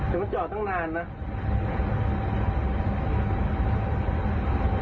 ถึงมันเจาะตั้งนานนะ